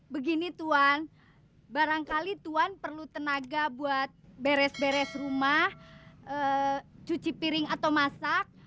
begini tuan barangkali tuan perlu tenaga buat beres beres rumah cuci piring atau masak